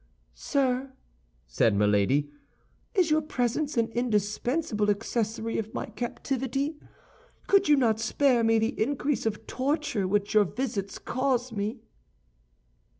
"Sir," said Milady, "is your presence an indispensable accessory of my captivity? Could you not spare me the increase of torture which your visits cause me?"